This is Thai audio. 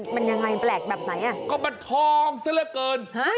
มันยังไงแปลกแบบไหนอ่ะก็มันทองซะละเกิน